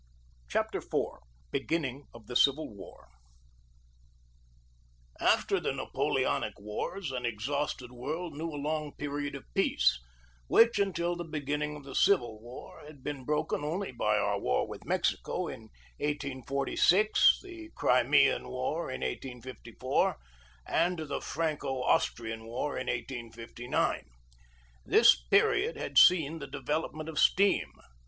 CHAPTER IV BEGINNING OF THE CIVIL WAR AFTER the Napoleonic wars an exhausted world knew a long period of peace, which, until the begin ning of the Civil War, had been broken only by our war with Mexico in 1846, the Crimean War in 1854, and the Franco Austrian War in 1859. This period had seen the development of steam.